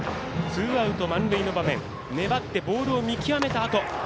ツーアウト、満塁の場面粘ってボールを見極めたあと。